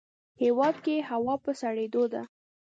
هیواد کې هوا په سړیدو ده